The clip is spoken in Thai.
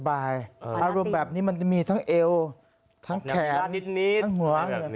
อารมณ์แบบนี้มันจะมีทั้งเอวทั้งแขนทั้งหัว